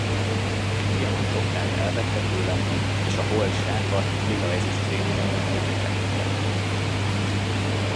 Diamant Oktáv elvette tőle, és a hold sápadt, lilaezüst fényénél körültekintett.